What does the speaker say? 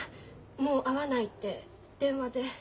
もう会わないって電話で。